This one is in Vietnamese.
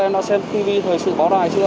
em đã xem tv thời sự báo đài chưa